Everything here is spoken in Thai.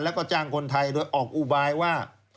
แล้วก็จ้างคนไทยโดยออกอุบายว่า